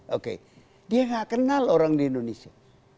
oke dia gak kenal orang di indonesia